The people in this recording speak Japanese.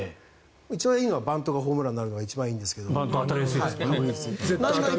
一番いいのはバントがホームランになるのがいいんですけど。